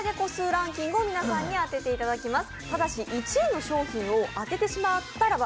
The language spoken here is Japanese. ベスト１５を皆さんに当てていただきます。